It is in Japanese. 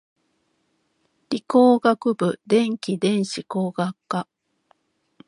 理工学部電気電子工学科